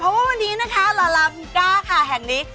เพราะว่าวันนี้นะคะลาลามิงก้าค่ะแห่งนี้